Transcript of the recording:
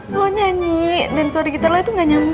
lo nyanyi dan suara gitar lo itu gak nyambung